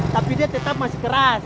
tapi dia tetap masih keras